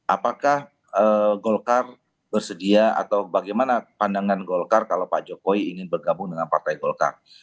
apakah golkar bersedia atau bagaimana pandangan golkar kalau pak jokowi ingin bergabung dengan partai golkar